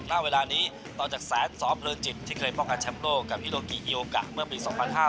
ณเวลานี้ต่อจากแสนซอสเลินจิตที่เคยป้องกันแชมป์โลกกับฮิโรกิอิโอกะเมื่อปี๒๕๕๙